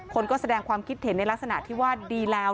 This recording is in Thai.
คนก็แสดงความคิดเห็นในลักษณะที่ว่าดีแล้ว